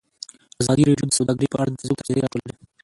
ازادي راډیو د سوداګري په اړه د فیسبوک تبصرې راټولې کړي.